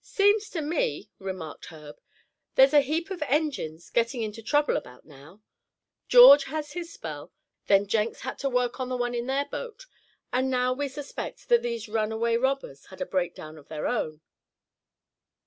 "Seems to me," remarked Herb, "there's a heap of engines getting into trouble about now; George has his spell; then Jenks had to work on the one in their boat; and now we suspect that these runaway robbers had a breakdown of their own."